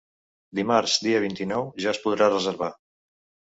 Dimarts, dia vint-i-nou, ja es podrà reservar.